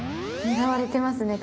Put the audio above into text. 狙われてますね